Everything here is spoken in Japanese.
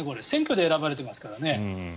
選挙で選ばれてますからね。